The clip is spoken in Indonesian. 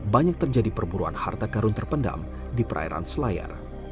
banyak terjadi perburuan harta karun terpendam di perairan selayar